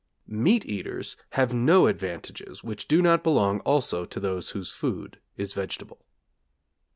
Meat eaters have no advantages which do not belong also to those whose food is vegetable.